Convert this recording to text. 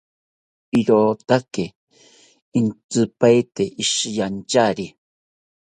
Irotaki intzipaete ishiyanchari